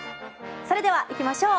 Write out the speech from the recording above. それではいきましょう。